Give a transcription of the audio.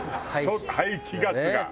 排気ガスが。